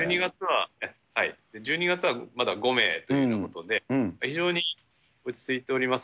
１２月はまだ５名というようなことで、非常に落ち着いております。